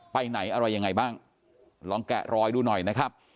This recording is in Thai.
ไปไหนอะไรยังไงบ้างลองแกะรอยดูหน่อยนะครับ